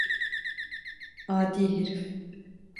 Adi herif.